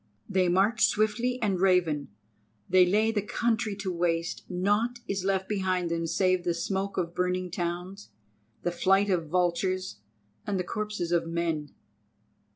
They march swiftly and raven, they lay the country waste, naught is left behind them save the smoke of burning towns, the flight of vultures, and the corpses of men."